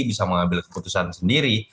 bisa mengambil keputusan sendiri